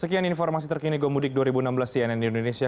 sekian informasi terkini gomudik dua ribu enam belas cnn indonesia